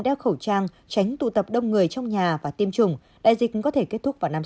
đeo khẩu trang tránh tụ tập đông người trong nhà và tiêm chủng đại dịch có thể kết thúc vào năm sau